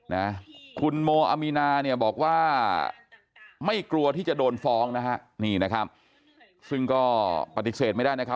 นะคุณโมอามีนาเนี่ยบอกว่าไม่กลัวที่จะโดนฟ้องนะฮะนี่นะครับซึ่งก็ปฏิเสธไม่ได้นะครับ